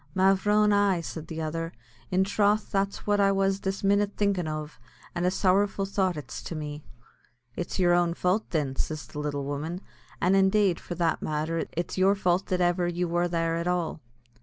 "Mavrone, ay," said the other; "in throth that's what I was this minnit thinkin' ov, and a sorrowful thought it's to me." "It's yer own fau't, thin," says the little woman; "an', indeed, for that matter, it's yer fau't that ever you wor there at all."